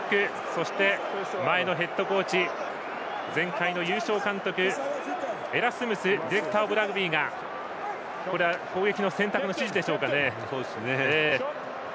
そして前のヘッドコーチ前回の優勝監督エラスムスディレクターオブラグビーが攻撃の選択の指示でしょうか。